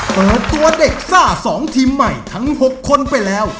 เปิดตัวเด็กซ่า๒ทีมใหม่ทั้ง๖คนไปแล้ว